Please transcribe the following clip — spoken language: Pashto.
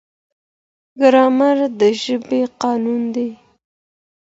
ګرامر د ژبې قانون دی.